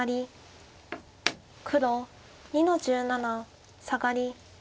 黒２の十七サガリ。